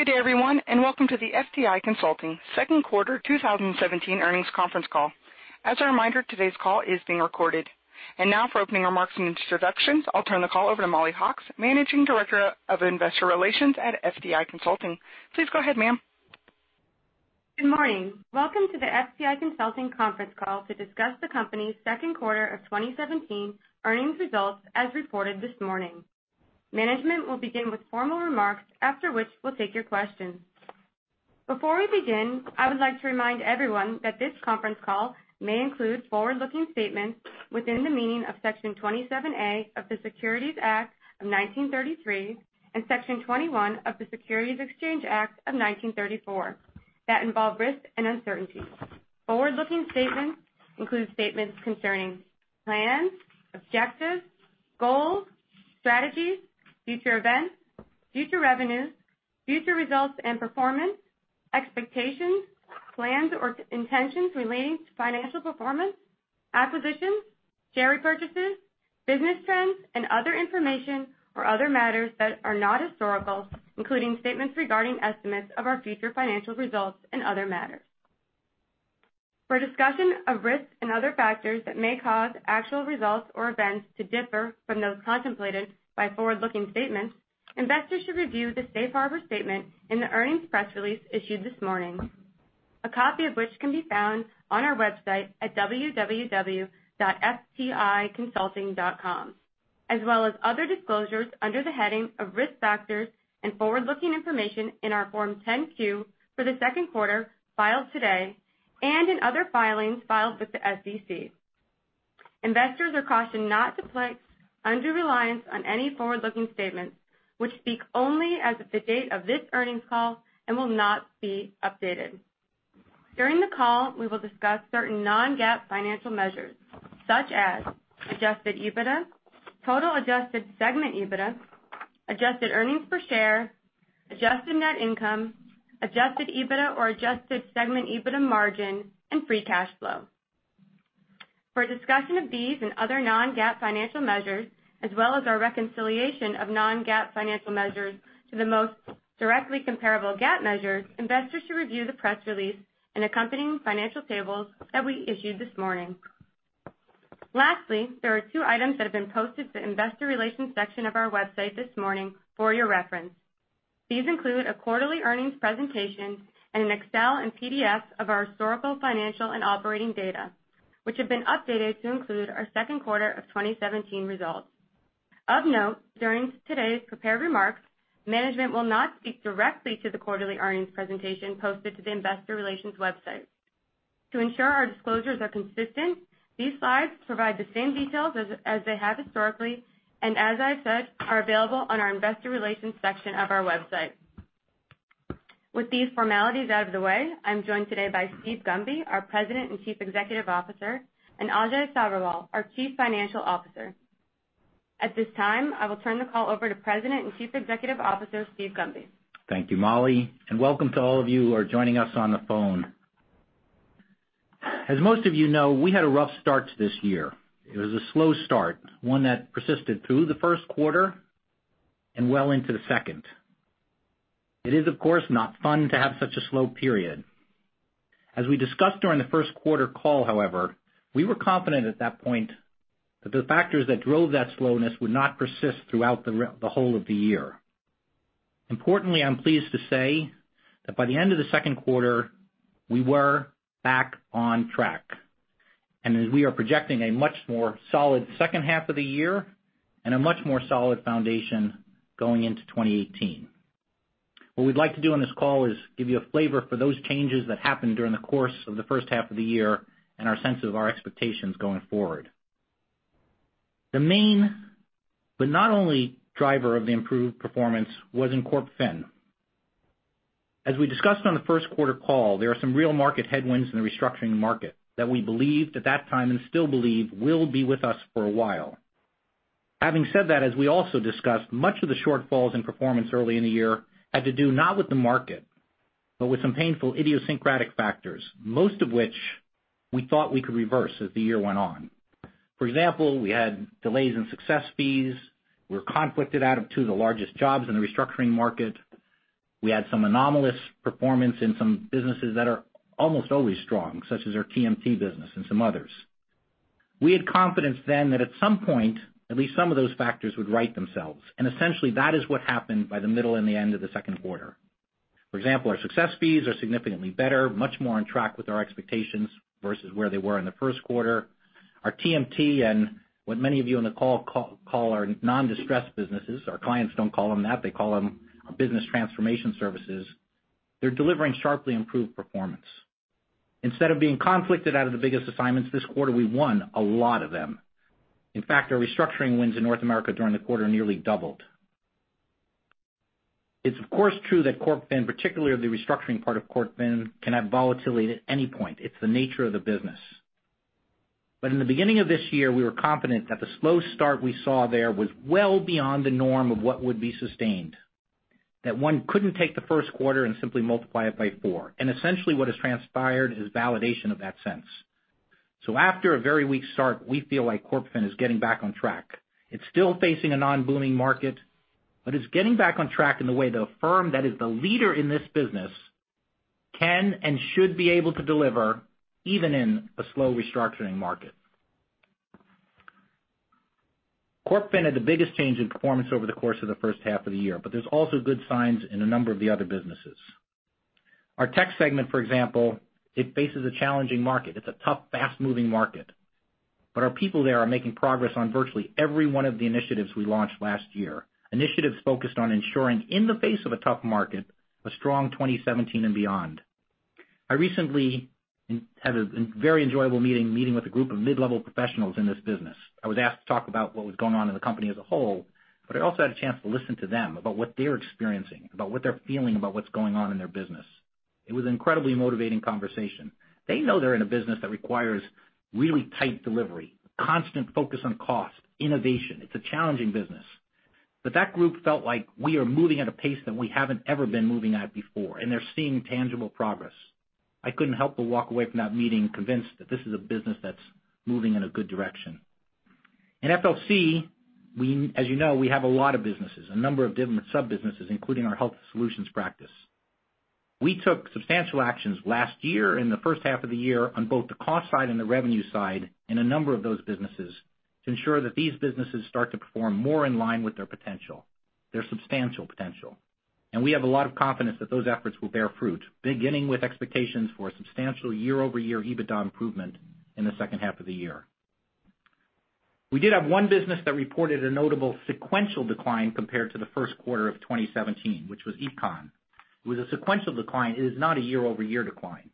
Good day, everyone, and welcome to the FTI Consulting second quarter 2017 earnings conference call. As a reminder, today's call is being recorded. Now for opening remarks and introductions, I'll turn the call over to Mollie Hawkes, Managing Director of Investor Relations at FTI Consulting. Please go ahead, ma'am. Good morning. Welcome to the FTI Consulting conference call to discuss the company's second quarter of 2017 earnings results as reported this morning. Management will begin with formal remarks, after which we'll take your questions. Before we begin, I would like to remind everyone that this conference call may include forward-looking statements within the meaning of Section 27A of the Securities Act of 1933 and Section 21E of the Securities Exchange Act of 1934 that involve risks and uncertainties. Forward-looking statements include statements concerning plans, objectives, goals, strategies, future events, future revenues, future results and performance, expectations, plans or intentions relating to financial performance, acquisitions, share repurchases, business trends, and other information or other matters that are not historical, including statements regarding estimates of our future financial results and other matters. For a discussion of risks and other factors that may cause actual results or events to differ from those contemplated by forward-looking statements, investors should review the safe harbor statement in the earnings press release issued this morning, a copy of which can be found on our website at www.fticonsulting.com, as well as other disclosures under the heading of Risk Factors and Forward-Looking Information in our Form 10-Q for the second quarter filed today and in other filings filed with the SEC. Investors are cautioned not to place undue reliance on any forward-looking statements, which speak only as of the date of this earnings call and will not be updated. During the call, we will discuss certain non-GAAP financial measures such as Adjusted EBITDA, total Adjusted segment EBITDA, Adjusted earnings per share, Adjusted net income, Adjusted EBITDA or Adjusted segment EBITDA margin, and free cash flow. For a discussion of these and other non-GAAP financial measures, as well as our reconciliation of non-GAAP financial measures to the most directly comparable GAAP measures, investors should review the press release and accompanying financial tables that we issued this morning. Lastly, there are two items that have been posted to the investor relations section of our website this morning for your reference. These include a quarterly earnings presentation and an Excel and PDF of our historical, financial, and operating data, which have been updated to include our second quarter of 2017 results. Of note, during today's prepared remarks, management will not speak directly to the quarterly earnings presentation posted to the investor relations website. To ensure our disclosures are consistent, these slides provide the same details as they have historically, as I said, are available on our investor relations section of our website. With these formalities out of the way, I'm joined today by Steven Gunby, our President and Chief Executive Officer, and Ajay Sabherwal, our Chief Financial Officer. At this time, I will turn the call over to President and Chief Executive Officer, Steven Gunby. Thank you, Mollie, and welcome to all of you who are joining us on the phone. As most of you know, we had a rough start to this year. It was a slow start, one that persisted through the first quarter and well into the second. It is, of course, not fun to have such a slow period. As we discussed during the first quarter call, however, we were confident at that point that the factors that drove that slowness would not persist throughout the whole of the year. Importantly, I'm pleased to say that by the end of the second quarter, we were back on track. As we are projecting a much more solid second half of the year and a much more solid foundation going into 2018. What we'd like to do on this call is give you a flavor for those changes that happened during the course of the first half of the year and our sense of our expectations going forward. The main, but not only, driver of the improved performance was in CorpFin. As we discussed on the first quarter call, there are some real market headwinds in the restructuring market that we believed at that time and still believe will be with us for a while. Having said that, as we also discussed, much of the shortfalls in performance early in the year had to do not with the market, but with some painful idiosyncratic factors, most of which we thought we could reverse as the year went on. For example, we had delays in success fees. We were conflicted out of two of the largest jobs in the restructuring market. We had some anomalous performance in some businesses that are almost always strong, such as our TMT business and some others. We had confidence then that at some point, at least some of those factors would right themselves. Essentially, that is what happened by the middle and the end of the second quarter. For example, our success fees are significantly better, much more on track with our expectations versus where they were in the first quarter. Our TMT and what many of you on the call call our non-distressed businesses, our clients don't call them that, they call them our business transformation services. They're delivering sharply improved performance. Instead of being conflicted out of the biggest assignments this quarter, we won a lot of them. In fact, our restructuring wins in North America during the quarter nearly doubled. It's of course true that CorpFin, particularly the restructuring part of CorpFin, can have volatility at any point. It's the nature of the business. In the beginning of this year, we were confident that the slow start we saw there was well beyond the norm of what would be sustained, that one couldn't take the first quarter and simply multiply it by 4. Essentially what has transpired is validation of that sense. After a very weak start, we feel like CorpFin is getting back on track. It's still facing a non-booming market, but it's getting back on track in the way the firm that is the leader in this business can and should be able to deliver, even in a slow restructuring market. CorpFin had the biggest change in performance over the course of the first half of the year, there's also good signs in a number of the other businesses. Our tech segment, for example, it faces a challenging market. It's a tough, fast-moving market. Our people there are making progress on virtually every one of the initiatives we launched last year, initiatives focused on ensuring in the face of a tough market, a strong 2017 and beyond. I recently had a very enjoyable meeting with a group of mid-level professionals in this business. I was asked to talk about what was going on in the company as a whole, but I also had a chance to listen to them about what they're experiencing, about what they're feeling about what's going on in their business. It was incredibly motivating conversation. They know they're in a business that requires really tight delivery, constant focus on cost, innovation. It's a challenging business. That group felt like we are moving at a pace that we haven't ever been moving at before, and they're seeing tangible progress. I couldn't help but walk away from that meeting convinced that this is a business that's moving in a good direction. In FLC, as you know, we have a lot of businesses, a number of different sub-businesses, including our health solutions practice. We took substantial actions last year in the first half of the year on both the cost side and the revenue side in a number of those businesses to ensure that these businesses start to perform more in line with their potential, their substantial potential. We have a lot of confidence that those efforts will bear fruit, beginning with expectations for substantial year-over-year EBITDA improvement in the second half of the year. We did have one business that reported a notable sequential decline compared to the first quarter of 2017, which was Econ. It was a sequential decline. It is not a year-over-year decline.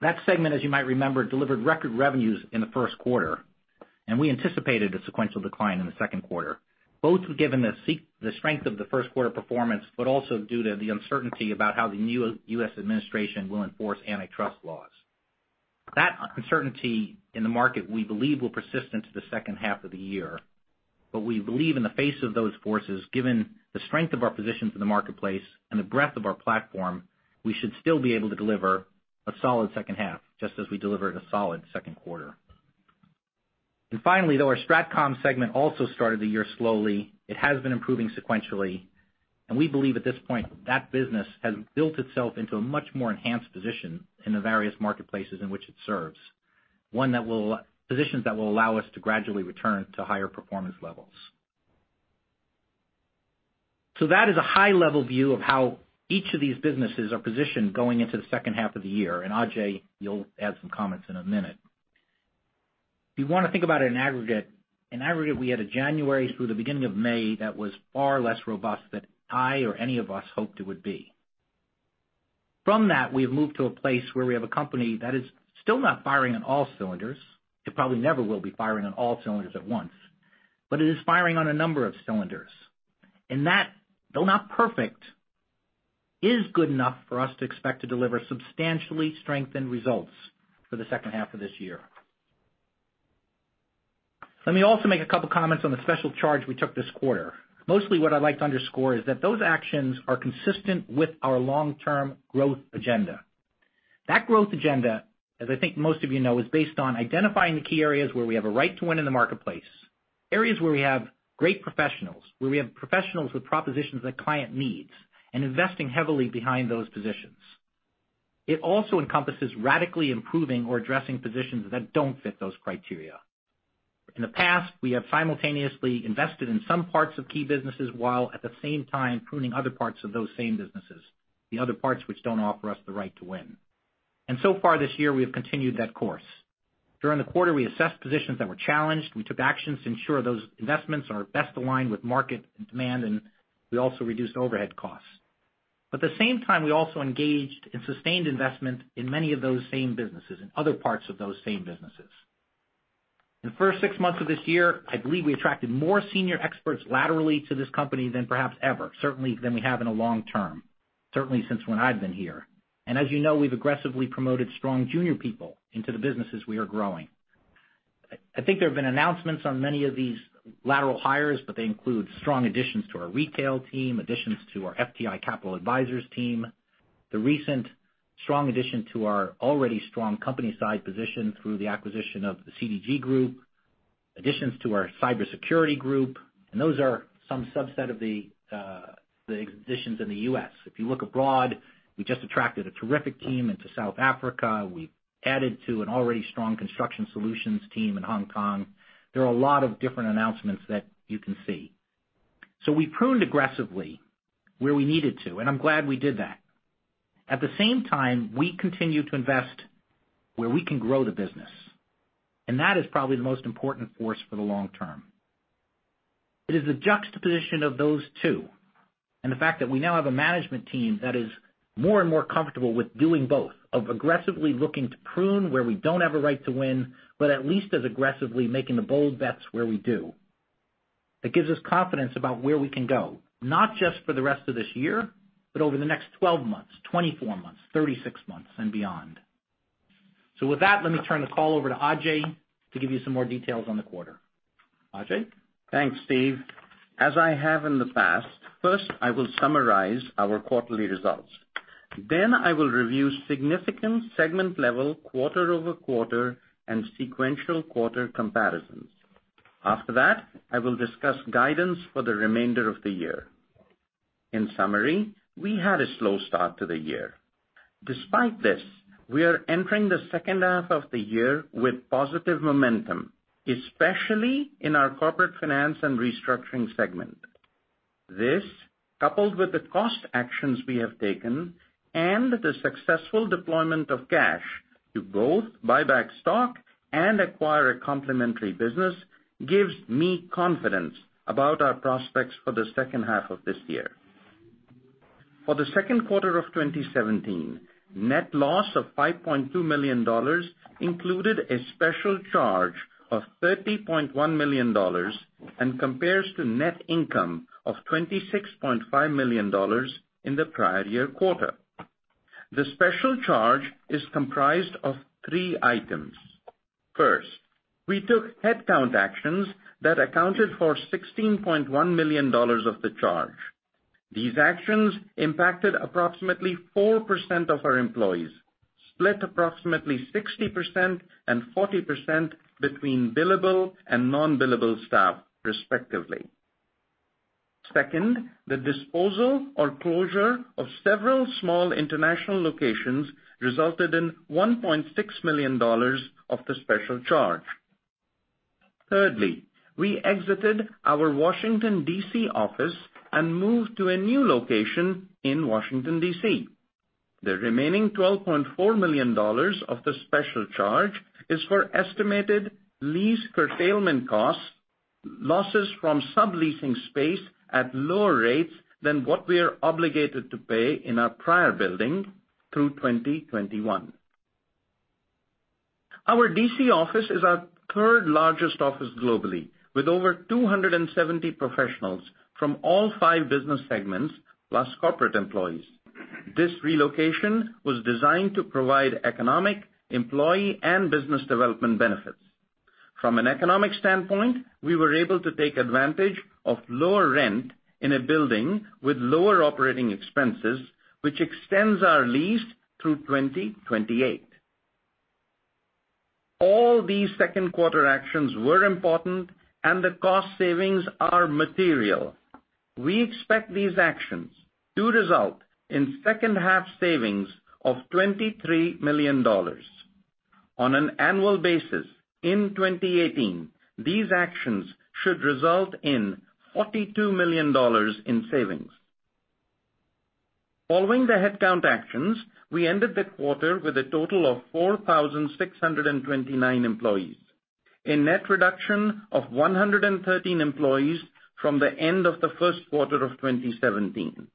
That segment, as you might remember, delivered record revenues in the first quarter, we anticipated a sequential decline in the second quarter, both given the strength of the first quarter performance, also due to the uncertainty about how the new U.S. administration will enforce antitrust laws. That uncertainty in the market, we believe, will persist into the second half of the year. We believe in the face of those forces, given the strength of our positions in the marketplace and the breadth of our platform, we should still be able to deliver a solid second half, just as we delivered a solid second quarter. Finally, though our StratCom segment also started the year slowly, it has been improving sequentially, and we believe at this point that business has built itself into a much more enhanced position in the various marketplaces in which it serves. Positions that will allow us to gradually return to higher performance levels. That is a high-level view of how each of these businesses are positioned going into the second half of the year. Ajay, you'll add some comments in a minute. If you want to think about it in aggregate, in aggregate, we had a January through the beginning of May that was far less robust than I or any of us hoped it would be. From that, we've moved to a place where we have a company that is still not firing on all cylinders. It probably never will be firing on all cylinders at once. It is firing on a number of cylinders. That, though not perfect, is good enough for us to expect to deliver substantially strengthened results for the second half of this year. Let me also make a couple comments on the special charge we took this quarter. Mostly what I'd like to underscore is that those actions are consistent with our long-term growth agenda. That growth agenda, as I think most of you know, is based on identifying the key areas where we have a right to win in the marketplace, areas where we have great professionals, where we have professionals with propositions that client needs, and investing heavily behind those positions. It also encompasses radically improving or addressing positions that don't fit those criteria. In the past, we have simultaneously invested in some parts of key businesses while at the same time pruning other parts of those same businesses, the other parts which don't offer us the right to win. So far this year, we have continued that course. During the quarter, we assessed positions that were challenged. We took actions to ensure those investments are best aligned with market demand, and we also reduced overhead costs. At the same time, we also engaged in sustained investment in many of those same businesses and other parts of those same businesses. In the first six months of this year, I believe we attracted more senior experts laterally to this company than perhaps ever, certainly than we have in a long term, certainly since when I've been here. As you know, we've aggressively promoted strong junior people into the businesses we are growing. I think there have been announcements on many of these lateral hires, but they include strong additions to our retail team, additions to our FTI Capital Advisors team, the recent strong addition to our already strong company side position through the acquisition of the CDG Group, additions to our cybersecurity group. Those are some subset of the additions in the U.S. If you look abroad, we just attracted a terrific team into South Africa. We've added to an already strong construction solutions team in Hong Kong. There are a lot of different announcements that you can see. We pruned aggressively where we needed to, and I'm glad we did that. At the same time, we continue to invest where we can grow the business, and that is probably the most important force for the long term. It is the juxtaposition of those two, and the fact that we now have a management team that is more and more comfortable with doing both, of aggressively looking to prune where we don't have a right to win, but at least as aggressively making the bold bets where we do. It gives us confidence about where we can go, not just for the rest of this year, but over the next 12 months, 24 months, 36 months, and beyond. With that, let me turn the call over to Ajay to give you some more details on the quarter. Ajay? Thanks, Steve. As I have in the past, first, I will summarize our quarterly results. I will review significant segment-level quarter-over-quarter and sequential quarter comparisons. I will discuss guidance for the remainder of the year. In summary, we had a slow start to the year. Despite this, we are entering the second half of the year with positive momentum, especially in our Corporate Finance & Restructuring segment. This, coupled with the cost actions we have taken and the successful deployment of cash to both buy back stock and acquire a complementary business, gives me confidence about our prospects for the second half of this year. For the second quarter of 2017, net loss of $5.2 million included a special charge of $30.1 million and compares to net income of $26.5 million in the prior year quarter. The special charge is comprised of three items. We took headcount actions that accounted for $16.1 million of the charge. These actions impacted approximately 4% of our employees, split approximately 60% and 40% between billable and non-billable staff, respectively. The disposal or closure of several small international locations resulted in $1.6 million of the special charge. We exited our Washington, D.C. office and moved to a new location in Washington, D.C. The remaining $12.4 million of the special charge is for estimated lease curtailment costs, losses from subleasing space at lower rates than what we are obligated to pay in our prior building through 2021. Our D.C. office is our third-largest office globally, with over 270 professionals from all five business segments, plus corporate employees. This relocation was designed to provide economic, employee, and business development benefits. From an economic standpoint, we were able to take advantage of lower rent in a building with lower operating expenses, which extends our lease through 2028. All these second quarter actions were important, and the cost savings are material. We expect these actions to result in second half savings of $23 million. On an annual basis, in 2018, these actions should result in $42 million in savings. Following the headcount actions, we ended the quarter with a total of 4,629 employees, a net reduction of 113 employees from the end of the first quarter of 2017.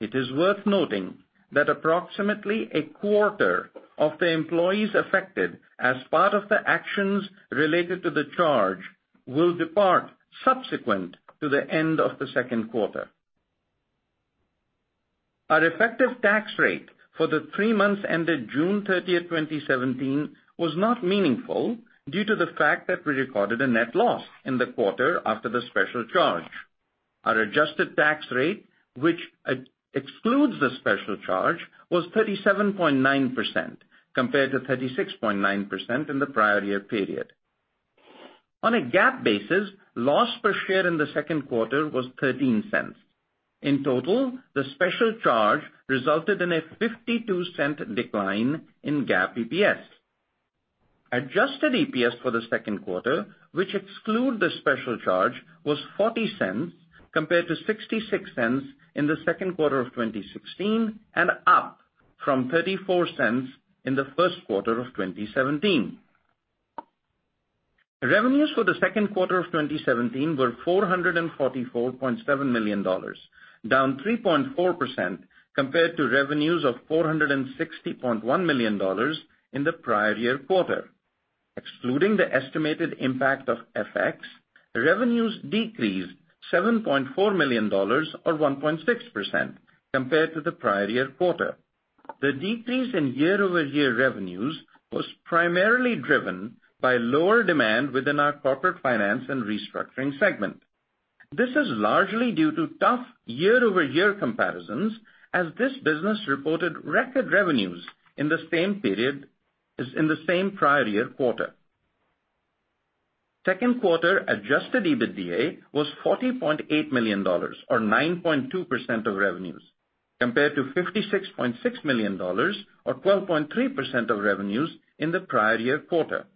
It is worth noting that approximately a quarter of the employees affected as part of the actions related to the charge will depart subsequent to the end of the second quarter. Our effective tax rate for the three months ended June 30th, 2017, was not meaningful due to the fact that we recorded a net loss in the quarter after the special charge. Our adjusted tax rate, which excludes the special charge, was 37.9%, compared to 36.9% in the prior year period. On a GAAP basis, loss per share in the second quarter was $0.13. In total, the special charge resulted in a $0.52 decline in GAAP EPS. Adjusted EPS for the second quarter, which exclude the special charge, was $0.40, compared to $0.66 in the second quarter of 2016, and up from $0.34 in the first quarter of 2017. Revenues for the second quarter of 2017 were $444.7 million, down 3.4% compared to revenues of $460.1 million in the prior year quarter. Excluding the estimated impact of FX, revenues decreased $7.4 million, or 1.6%, compared to the prior year quarter. The decrease in year-over-year revenues was primarily driven by lower demand within our Corporate Finance & Restructuring segment. This is largely due to tough year-over-year comparisons, as this business reported record revenues in the same prior year quarter. Second quarter Adjusted EBITDA was $40.8 million, or 9.2% of revenues, compared to $56.6 million, or 12.3% of revenues in the prior year quarter.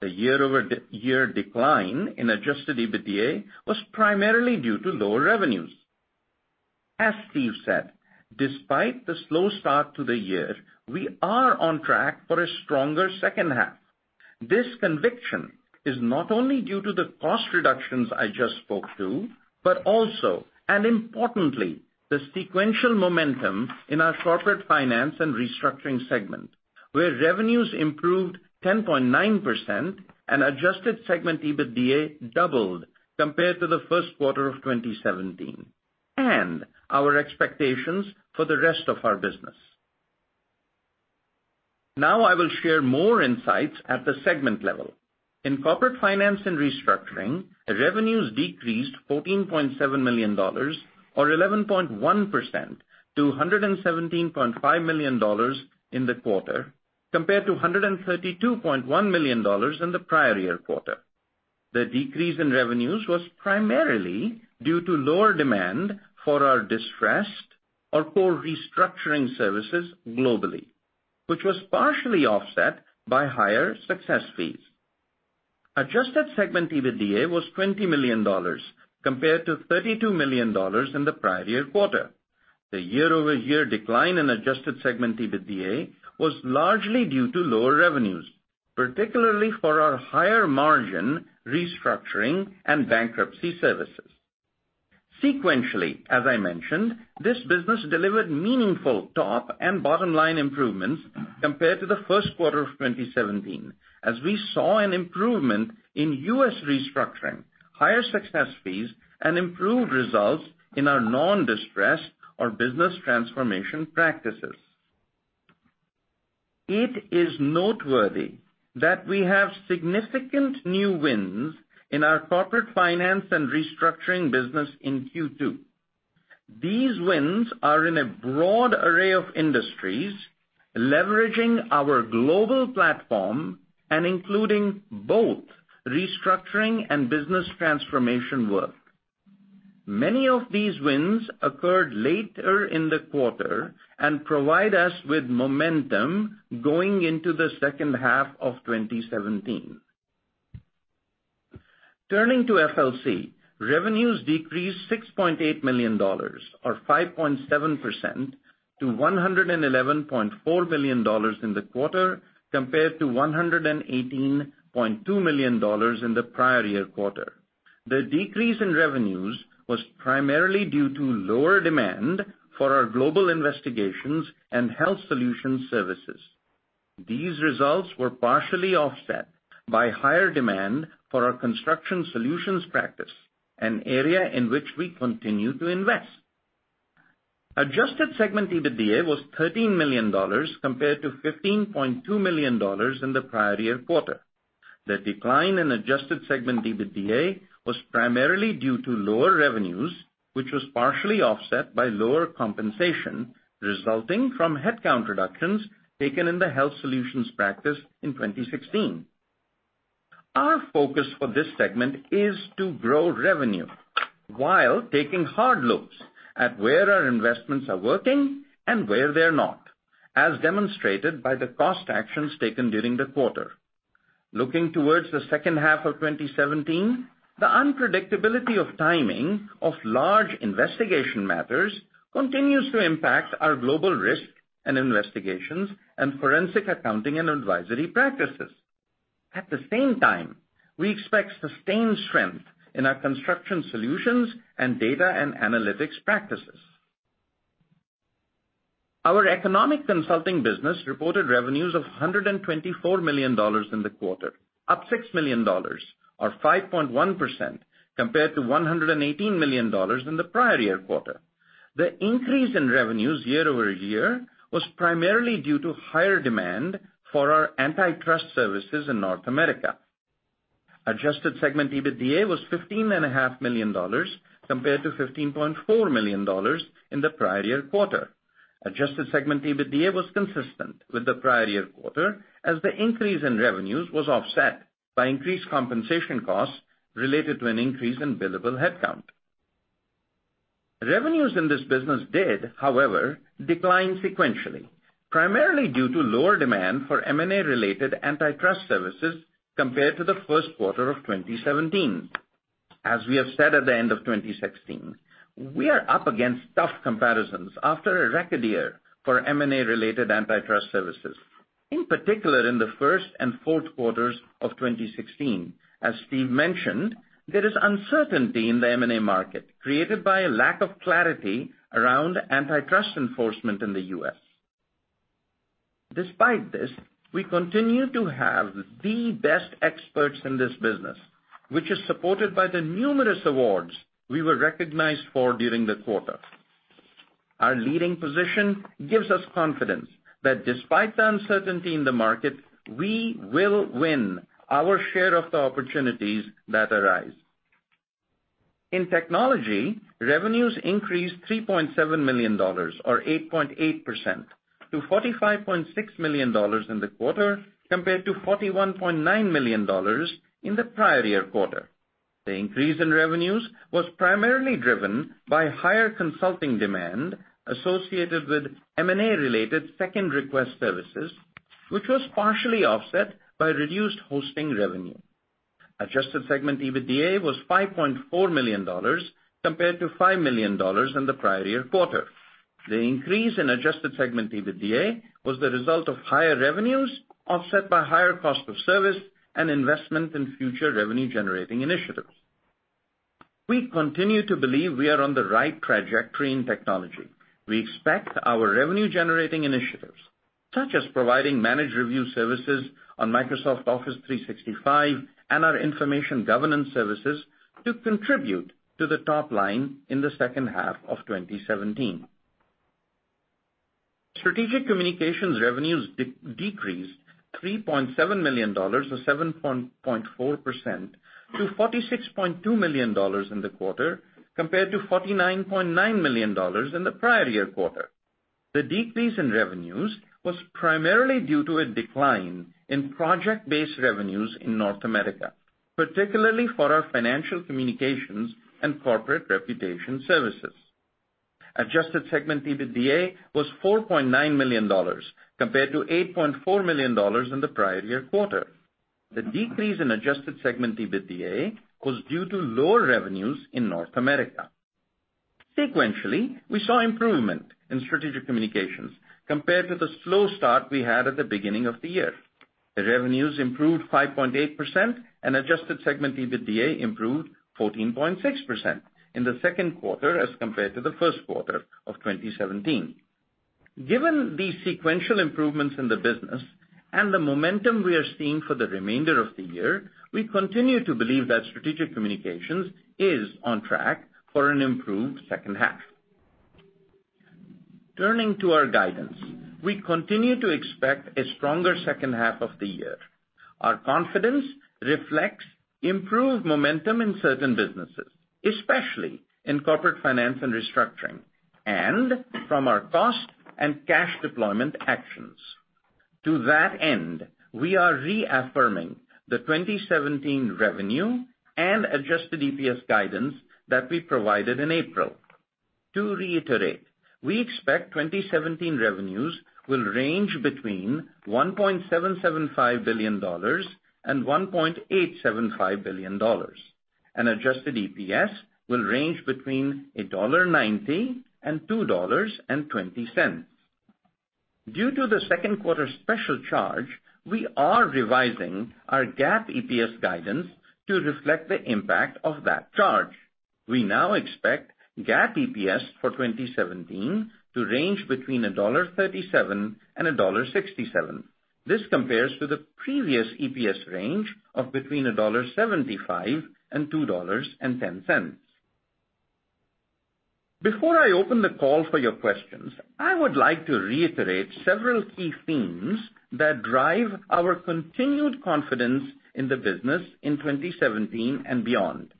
The year-over-year decline in Adjusted EBITDA was primarily due to lower revenues. As Steve said, despite the slow start to the year, we are on track for a stronger second half. This conviction is not only due to the cost reductions I just spoke to, but also, and importantly, the sequential momentum in our Corporate Finance & Restructuring segment, where revenues improved 10.9% and Adjusted segment EBITDA doubled compared to the first quarter of 2017, and our expectations for the rest of our business. I will share more insights at the segment level. In Corporate Finance & Restructuring, revenues decreased $14.7 million, or 11.1%, to $117.5 million in the quarter, compared to $132.1 million in the prior year quarter. The decrease in revenues was primarily due to lower demand for our distressed or core restructuring services globally, which was partially offset by higher success fees. Adjusted segment EBITDA was $20 million compared to $32 million in the prior year quarter. The year-over-year decline in Adjusted segment EBITDA was largely due to lower revenues, particularly for our higher margin restructuring and bankruptcy services. Sequentially, as I mentioned, this business delivered meaningful top and bottom-line improvements compared to the first quarter of 2017, as we saw an improvement in U.S. restructuring, higher success fees, and improved results in our non-distressed or business transformation practices. It is noteworthy that we have significant new wins in our Corporate Finance & Restructuring business in Q2. These wins are in a broad array of industries, leveraging our global platform and including both restructuring and business transformation work. Many of these wins occurred later in the quarter and provide us with momentum going into the second half of 2017. Turning to FLC, revenues decreased $6.8 million, or 5.7%, to $111.4 million in the quarter, compared to $118.2 million in the prior year quarter. The decrease in revenues was primarily due to lower demand for our global investigations and health solution services. These results were partially offset by higher demand for our construction solutions practice, an area in which we continue to invest. Adjusted segment EBITDA was $13 million compared to $15.2 million in the prior year quarter. The decline in Adjusted segment EBITDA was primarily due to lower revenues, which was partially offset by lower compensation resulting from headcount reductions taken in the health solutions practice in 2016. Our focus for this segment is to grow revenue while taking hard looks at where our investments are working and where they're not, as demonstrated by the cost actions taken during the quarter. Looking towards the second half of 2017, the unpredictability of timing of large investigation matters continues to impact our global risk and investigations and forensic accounting and advisory practices. At the same time, we expect sustained strength in our construction solutions and data and analytics practices. Our Economic Consulting business reported revenues of $124 million in the quarter, up $6 million, or 5.1%, compared to $118 million in the prior year quarter. The increase in revenues year-over-year was primarily due to higher demand for our antitrust services in North America. Adjusted segment EBITDA was $15.5 million compared to $15.4 million in the prior year quarter. Adjusted segment EBITDA was consistent with the prior year quarter, as the increase in revenues was offset by increased compensation costs related to an increase in billable headcount. Revenues in this business did, however, decline sequentially, primarily due to lower demand for M&A-related antitrust services compared to the first quarter of 2017. As we have said at the end of 2016, we are up against tough comparisons after a record year for M&A-related antitrust services, in particular, in the first and fourth quarters of 2016. As Steven Gunby mentioned, there is uncertainty in the M&A market created by a lack of clarity around antitrust enforcement in the U.S. Despite this, we continue to have the best experts in this business, which is supported by the numerous awards we were recognized for during the quarter. Our leading position gives us confidence that despite the uncertainty in the market, we will win our share of the opportunities that arise. In Technology, revenues increased $3.7 million, or 8.8%, to $45.6 million in the quarter, compared to $41.9 million in the prior year quarter. The increase in revenues was primarily driven by higher consulting demand associated with M&A-related second request services, which was partially offset by reduced hosting revenue. Adjusted segment EBITDA was $5.4 million compared to $5 million in the prior year quarter. The increase in Adjusted segment EBITDA was the result of higher revenues offset by higher cost of service and investment in future revenue-generating initiatives. We continue to believe we are on the right trajectory in Technology. We expect our revenue-generating initiatives, such as providing managed review services on Microsoft Office 365 and our information governance services, to contribute to the top line in the second half of 2017. Strategic Communications revenues decreased $3.7 million, or 7.4%, to $46.2 million in the quarter, compared to $49.9 million in the prior year quarter. The decrease in revenues was primarily due to a decline in project-based revenues in North America, particularly for our financial communications and corporate reputation services. Adjusted segment EBITDA was $4.9 million compared to $8.4 million in the prior year quarter. The decrease in Adjusted segment EBITDA was due to lower revenues in North America. Sequentially, we saw improvement in Strategic Communications compared to the slow start we had at the beginning of the year. The revenues improved 5.8%, and Adjusted segment EBITDA improved 14.6% in the second quarter as compared to the first quarter of 2017. Given these sequential improvements in the business and the momentum we are seeing for the remainder of the year, we continue to believe that Strategic Communications is on track for an improved second half. Turning to our guidance, we continue to expect a stronger second half of the year. Our confidence reflects improved momentum in certain businesses, especially in Corporate Finance & Restructuring, and from our cost and cash deployment actions. To that end, we are reaffirming the 2017 revenue and Adjusted EPS guidance that we provided in April. To reiterate, we expect 2017 revenues will range between $1.775 billion and $1.875 billion, and Adjusted EPS will range between $1.90 and $2.20. Due to the second quarter special charge, we are revising our GAAP EPS guidance to reflect the impact of that charge. We now expect GAAP EPS for 2017 to range between $1.37 and $1.67. This compares to the previous EPS range of between $1.75 and $2.10. Before I open the call for your questions, I would like to reiterate several key themes that drive our continued confidence in the business in 2017 and beyond.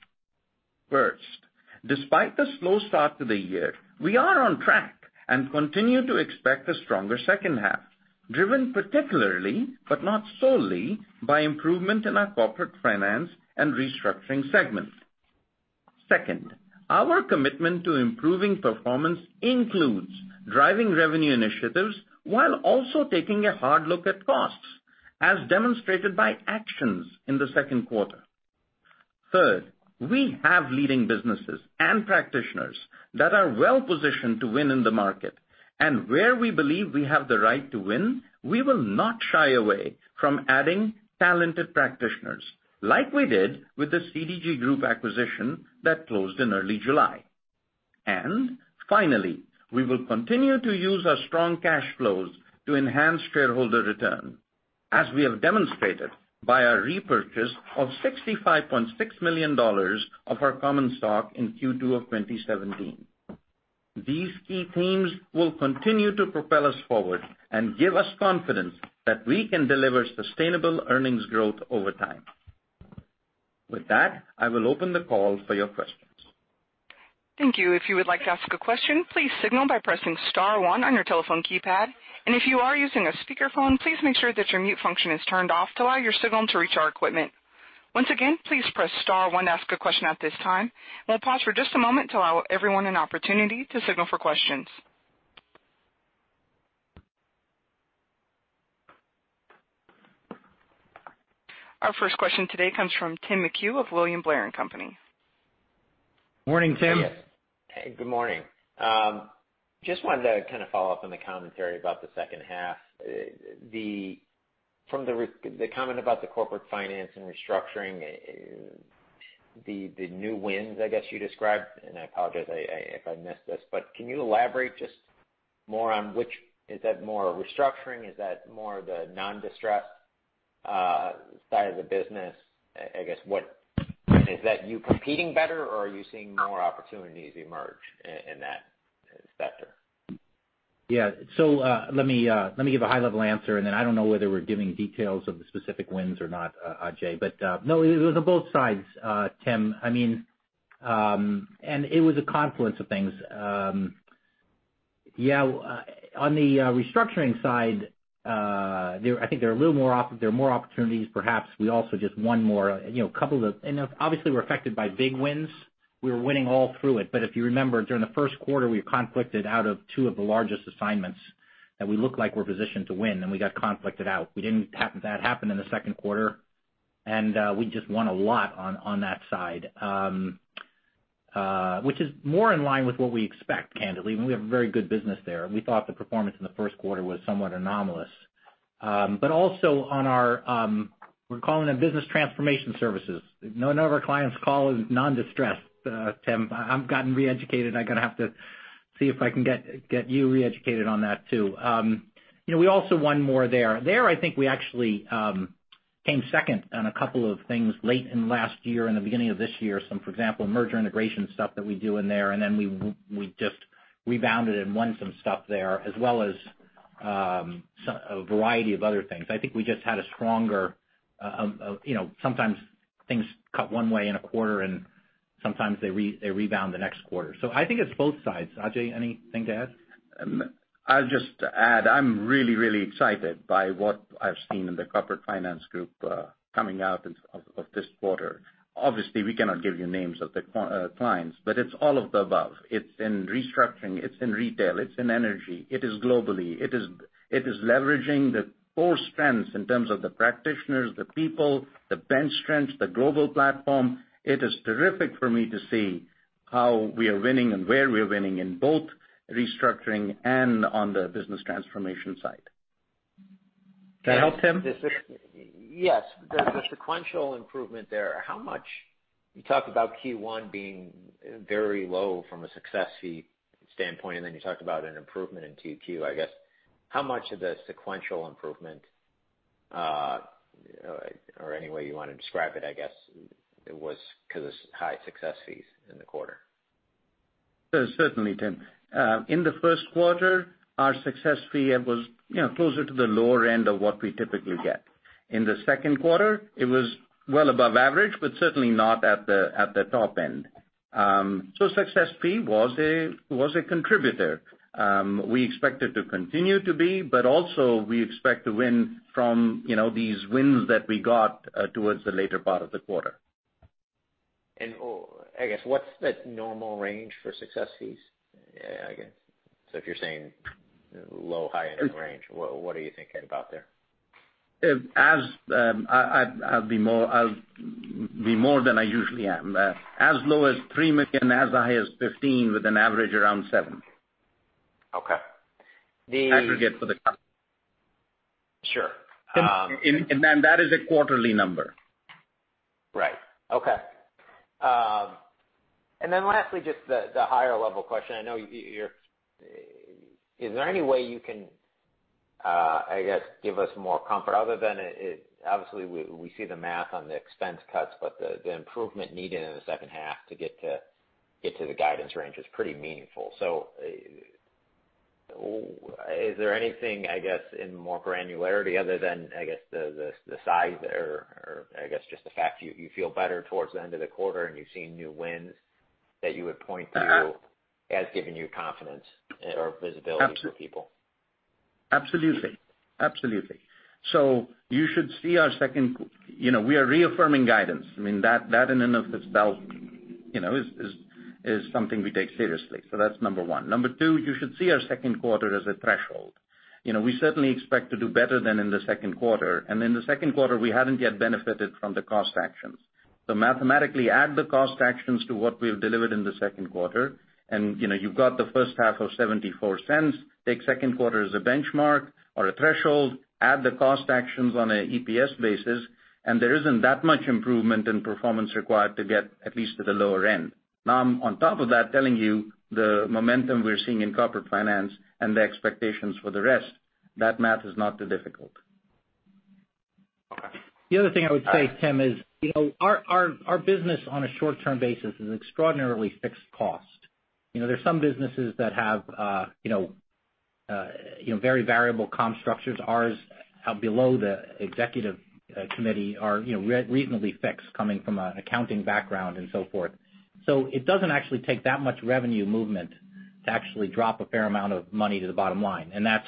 Despite the slow start to the year, we are on track and continue to expect a stronger second half, driven particularly, but not solely, by improvement in our Corporate Finance & Restructuring segment. Our commitment to improving performance includes driving revenue initiatives while also taking a hard look at costs, as demonstrated by actions in the second quarter. We have leading businesses and practitioners that are well-positioned to win in the market. Where we believe we have the right to win, we will not shy away from adding talented practitioners like we did with the CDG Group acquisition that closed in early July. Finally, we will continue to use our strong cash flows to enhance shareholder return, as we have demonstrated by our repurchase of $65.6 million of our common stock in Q2 of 2017. These key themes will continue to propel us forward and give us confidence that we can deliver sustainable earnings growth over time. With that, I will open the call for your questions. Thank you. If you would like to ask a question, please signal by pressing *1 on your telephone keypad. If you are using a speakerphone, please make sure that your mute function is turned off to allow your signal to reach our equipment. Once again, please press *1 to ask a question at this time. We'll pause for just a moment to allow everyone an opportunity to signal for questions. Our first question today comes from Timothy McHugh of William Blair & Company. Morning, Tim. Hey, good morning. Just wanted to kind of follow up on the commentary about the second half. From the comment about the Corporate Finance & Restructuring, the new wins, I guess you described, I apologize if I missed this, but can you elaborate just more on? Is that more restructuring? Is that more of the non-distressed side of the business? I guess, is that you competing better or are you seeing more opportunities emerge in that sector? Let me give a high-level answer, and then I don't know whether we're giving details of the specific wins or not, Ajay. No, it was on both sides, Tim. It was a confluence of things. On the restructuring side, I think there are more opportunities, perhaps. We also just won more. Obviously, we're affected by big wins. We were winning all through it. If you remember, during the first quarter, we conflicted out of two of the largest assignments that we looked like we're positioned to win, and we got conflicted out. That happened in the second quarter, and we just won a lot on that side, which is more in line with what we expect, candidly. We have a very good business there. We thought the performance in the first quarter was somewhat anomalous. Also on our, we're calling it business transformation services. None of our clients call it non-distressed, Tim. I've gotten re-educated. I'm going to have to see if I can get you re-educated on that, too. We also won more there. There, I think we actually We came second on a couple of things late in last year and the beginning of this year. Some, for example, merger integration stuff that we do in there, then we just rebounded and won some stuff there, as well as a variety of other things. I think we just had a stronger Sometimes things cut one way in a quarter and sometimes they rebound the next quarter. I think it's both sides. Ajay, anything to add? I'll just add, I'm really, really excited by what I've seen in the corporate finance group coming out of this quarter. Obviously, we cannot give you names of the clients, it's all of the above. It's in restructuring, it's in retail, it's in energy. It is globally. It is leveraging the core strengths in terms of the practitioners, the people, the bench strength, the global platform. It is terrific for me to see how we are winning and where we are winning in both restructuring and on the business transformation side. Does that help, Tim? Yes. The sequential improvement there, you talked about Q1 being very low from a success fee standpoint. Then you talked about an improvement in Q2, I guess. How much of the sequential improvement, or any way you want to describe it, I guess, was because of high success fees in the quarter? Certainly, Tim. In the first quarter, our success fee was closer to the lower end of what we typically get. In the second quarter, it was well above average, but certainly not at the top end. Success fee was a contributor. We expect it to continue to be, but also we expect to win from these wins that we got towards the later part of the quarter. I guess, what's the normal range for success fees? If you're saying low, high end of the range, what are you thinking about there? I'll be more than I usually am. As low as $3 million, as high as $15 million, with an average around $7 million. Okay. Aggregate for the company. Sure. That is a quarterly number. Right. Okay. Lastly, just the higher-level question. Is there any way you can, I guess, give us more comfort other than, obviously, we see the math on the expense cuts, but the improvement needed in the second half to get to the guidance range is pretty meaningful. Is there anything, I guess, in more granularity other than, I guess, the size or I guess, just the fact you feel better towards the end of the quarter and you're seeing new wins that you would point to as giving you confidence or visibility for people? Absolutely. We are reaffirming guidance. That in and of itself is something we take seriously. That's number one. Number two, you should see our second quarter as a threshold. We certainly expect to do better than in the second quarter. In the second quarter, we haven't yet benefited from the cost actions. Mathematically, add the cost actions to what we've delivered in the second quarter, and you've got the first half of $0.74. Take second quarter as a benchmark or a threshold, add the cost actions on an EPS basis, and there isn't that much improvement in performance required to get at least to the lower end. Now on top of that, telling you the momentum we're seeing in Corporate Finance and the expectations for the rest, that math is not too difficult. Okay. The other thing I would say, Tim, is our business on a short-term basis is extraordinarily fixed cost. There's some businesses that have very variable comp structures. Ours below the executive committee are reasonably fixed, coming from an accounting background and so forth. It doesn't actually take that much revenue movement to actually drop a fair amount of money to the bottom line, and that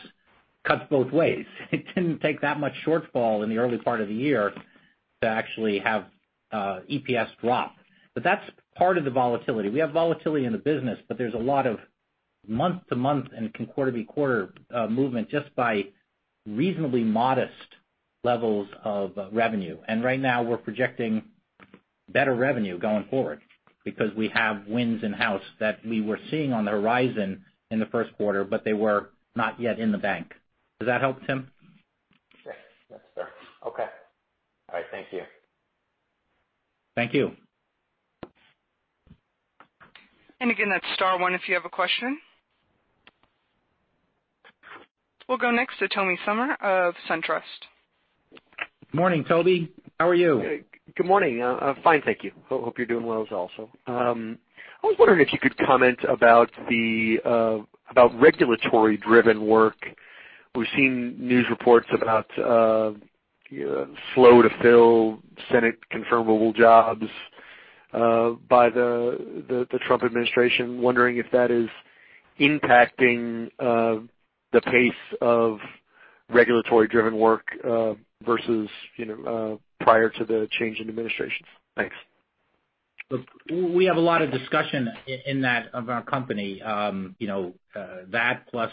cuts both ways. It didn't take that much shortfall in the early part of the year to actually have EPS drop. That's part of the volatility. We have volatility in the business, but there's a lot of month-to-month and quarter-by-quarter movement just by reasonably modest levels of revenue. Right now we're projecting better revenue going forward because we have wins in-house that we were seeing on the horizon in the first quarter, but they were not yet in the bank. Does that help, Tim? Yes, sure. Okay. All right. Thank you. Thank you. Again, that's star one if you have a question. We'll go next to Tobey Sommer of SunTrust. Morning, Tobey. How are you? Good morning. Fine, thank you. Hope you're doing well also. I was wondering if you could comment about regulatory-driven work. We've seen news reports about slow-to-fill Senate confirmable jobs by the Trump administration. Wondering if that is impacting the pace of regulatory-driven work versus prior to the change in administrations. Thanks. Look, we have a lot of discussion in that of our company. That plus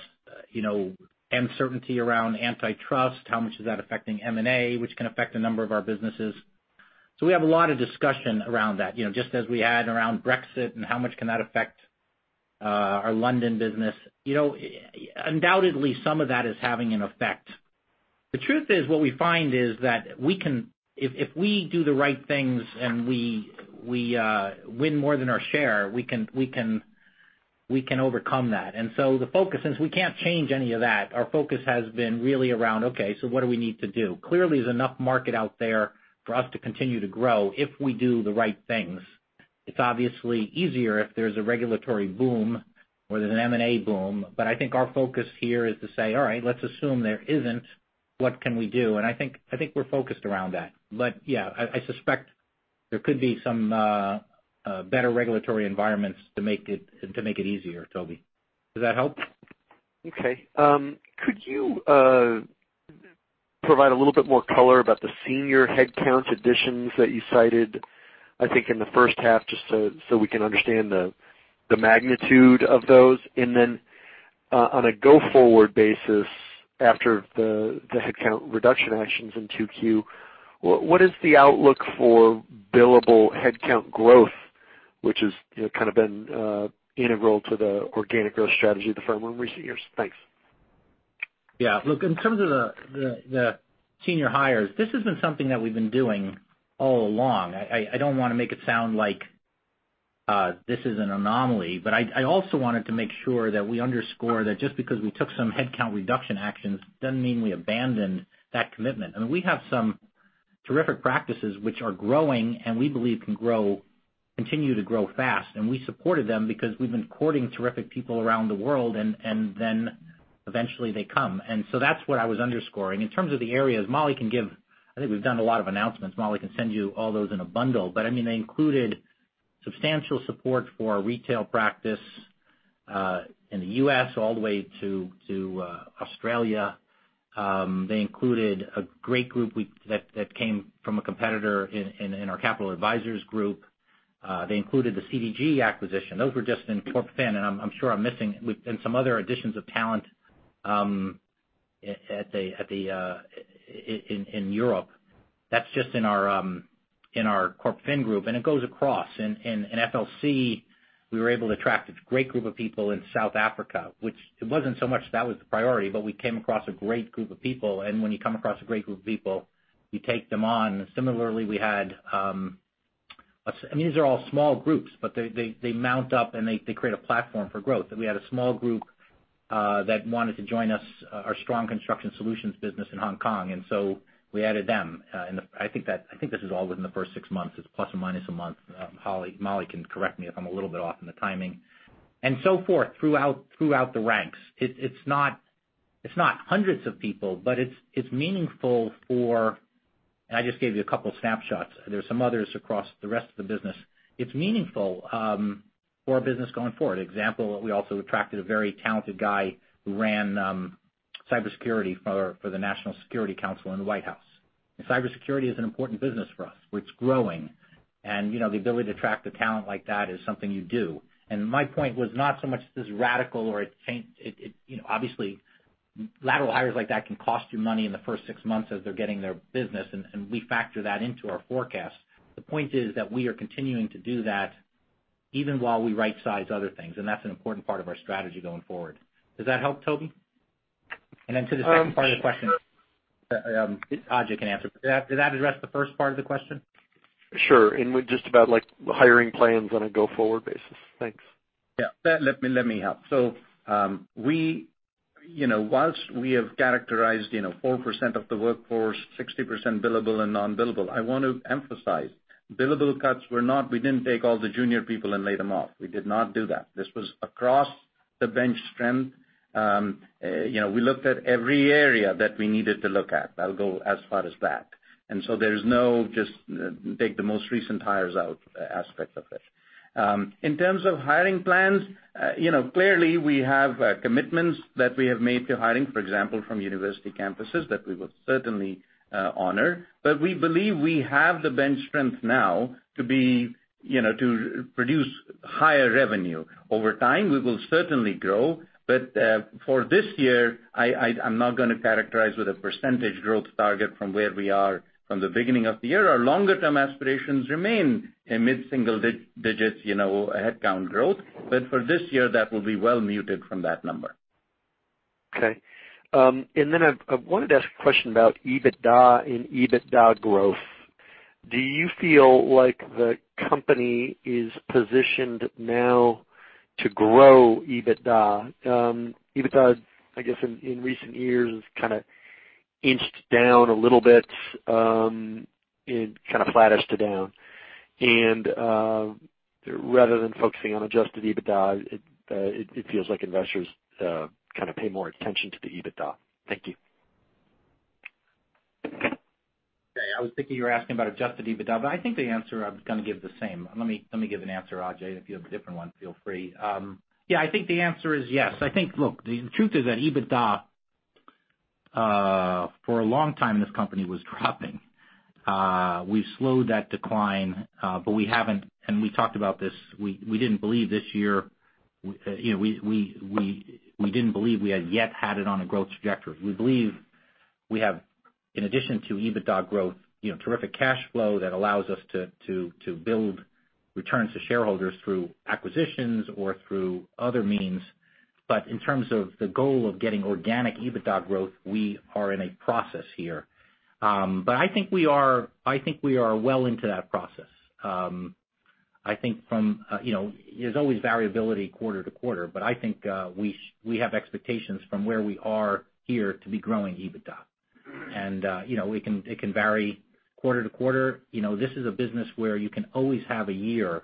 uncertainty around antitrust, how much is that affecting M&A, which can affect a number of our businesses. We have a lot of discussion around that, just as we had around Brexit and how much can that affect our London business. Undoubtedly, some of that is having an effect. The truth is, what we find is that if we do the right things and we win more than our share, we can overcome that. The focus is we can't change any of that. Our focus has been really around, okay, what do we need to do? Clearly, there's enough market out there for us to continue to grow if we do the right things. It's obviously easier if there's a regulatory boom or there's an M&A boom, I think our focus here is to say, "All right, let's assume there isn't. What can we do?" I think we're focused around that. Yeah, I suspect there could be some better regulatory environments to make it easier, Tobey. Does that help? Okay. Could you provide a little bit more color about the senior headcount additions that you cited, I think in the first half, just so we can understand the magnitude of those. Then on a go-forward basis after the headcount reduction actions in 2Q, what is the outlook for billable headcount growth, which has kind of been integral to the organic growth strategy of the firm in recent years? Thanks. Yeah. Look, in terms of the senior hires, this has been something that we've been doing all along. I don't want to make it sound like this is an anomaly, I also wanted to make sure that we underscore that just because we took some headcount reduction actions doesn't mean we abandoned that commitment. I mean, we have some terrific practices which are growing, we believe can continue to grow fast. We supported them because we've been courting terrific people around the world, eventually they come. That's what I was underscoring. In terms of the areas, I think we've done a lot of announcements. Mollie can send you all those in a bundle. They included substantial support for our retail practice, in the U.S. all the way to Australia. They included a great group that came from a competitor in our Capital Advisors group. They included the CDG acquisition. Those were just in Corp Fin, and I'm sure I'm missing-- and some other additions of talent in Europe. That's just in our Corp Fin group. It goes across. In FLC, we were able to attract a great group of people in South Africa, which it wasn't so much that was the priority, but we came across a great group of people, and when you come across a great group of people, you take them on. Similarly, we had-- these are all small groups, but they mount up, and they create a platform for growth. We had a small group that wanted to join us, our strong construction solutions business in Hong Kong. We added them. I think this is all within the first six months. It's plus or minus a month. Mollie can correct me if I'm a little bit off in the timing. So forth throughout the ranks. It's not hundreds of people, but it's meaningful for. I just gave you a couple snapshots. There's some others across the rest of the business. It's meaningful for our business going forward. Example, we also attracted a very talented guy who ran cybersecurity for the National Security Council in the White House. Cybersecurity is an important business for us, which is growing. The ability to attract the talent like that is something you do. My point was not so much this radical, or it changed-- obviously lateral hires like that can cost you money in the first six months as they're getting their business, and we factor that into our forecast. The point is that we are continuing to do that even while we rightsize other things, and that's an important part of our strategy going forward. Does that help, Tobey? Then to the second part of the question, Ajay can answer. Did that address the first part of the question? Sure. Just about hiring plans on a go-forward basis. Thanks. Yeah. Let me help. Whilst we have characterized 4% of the workforce, 60% billable and non-billable, I want to emphasize billable cuts, we didn't take all the junior people and lay them off. We did not do that. This was across the bench strength. We looked at every area that we needed to look at. I'll go as far as that. There's no just take the most recent hires out aspect of it. In terms of hiring plans, clearly we have commitments that we have made to hiring, for example, from university campuses that we will certainly honor. We believe we have the bench strength now to produce higher revenue. Over time, we will certainly grow. For this year, I'm not going to characterize with a percentage growth target from where we are from the beginning of the year. Our longer-term aspirations remain in mid-single digits, headcount growth. For this year, that will be well muted from that number. Okay. Then I wanted to ask a question about EBITDA and EBITDA growth. Do you feel like the company is positioned now to grow EBITDA? EBITDA, I guess, in recent years has kind of inched down a little bit and kind of flattish to down. Rather than focusing on Adjusted EBITDA, it feels like investors kind of pay more attention to the EBITDA. Thank you. Okay. I was thinking you were asking about Adjusted EBITDA, I think the answer I was going to give the same. Let me give an answer, Ajay. If you have a different one, feel free. Yeah, I think the answer is yes. I think, look, the truth is that EBITDA, for a long time, this company was dropping. We slowed that decline, and we talked about this. We didn't believe this year we had yet had it on a growth trajectory. We believe we have, in addition to EBITDA growth, terrific cash flow that allows us to build returns to shareholders through acquisitions or through other means. In terms of the goal of getting organic EBITDA growth, we are in a process here. I think we are well into that process. There's always variability quarter to quarter, but I think we have expectations from where we are here to be growing EBITDA. It can vary quarter to quarter. This is a business where you can always have a year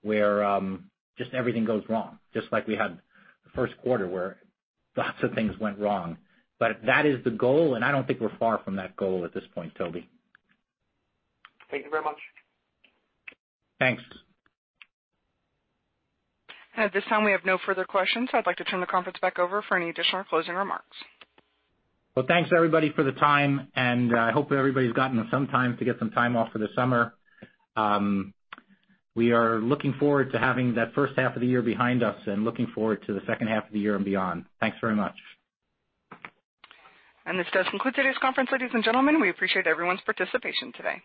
where just everything goes wrong, just like we had the first quarter where lots of things went wrong. That is the goal, and I don't think we're far from that goal at this point, Tobey. Thank you very much. Thanks. At this time, we have no further questions. I'd like to turn the conference back over for any additional closing remarks. Thanks, everybody, for the time. I hope everybody's gotten some time to get some time off for the summer. We are looking forward to having that first half of the year behind us and looking forward to the second half of the year and beyond. Thanks very much. This does conclude today's conference, ladies and gentlemen. We appreciate everyone's participation today.